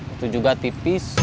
itu juga tipis